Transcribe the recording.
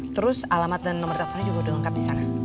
terus alamat dan nomer teleponnya juga udah lengkap disana